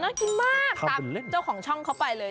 อ้อน่ากินมากตามแชลาเจ้าของช่องเขาไปเลย